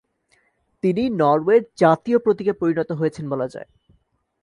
তিনি নরওয়ের জাতীয় প্রতীকে পরিণত হয়েছেন বলা যায়।